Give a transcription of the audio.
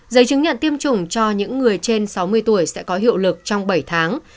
giấy chứng nhận tiêm chủng cho những người trên sáu mươi tuổi sẽ có hiệu lực trong bảy tháng